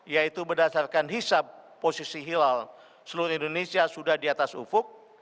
yaitu berdasarkan hisap posisi hilal seluruh indonesia sudah di atas ufuk